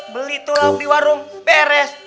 beli tuh lauk di warung beres